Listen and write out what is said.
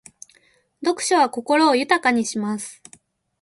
読書は心を豊かにします。